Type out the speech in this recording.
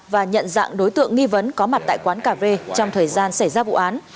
và nhận dạng đối tượng nghi vấn có mặt tại quán cà phê trong thời gian xảy ra vụ án